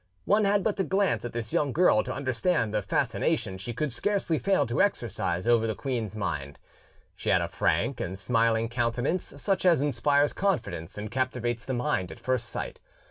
One had but to glance at this young girl to understand the fascination she could scarcely fail to exercise over the queen's mind. She had a frank and smiling countenance, such as inspires confidence and captivates the mind at first sight.